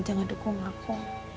jangan dukung aku